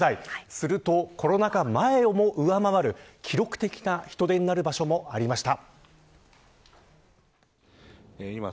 すると、コロナ禍前をも上回る記録的な人出になる場所もありました。